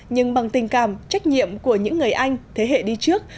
nhưng bằng tình cảm trách nhiệm của những người anh thế hệ đi trước